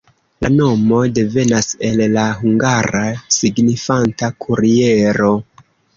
La nomo devenas el la hungara, signifanta kuriero.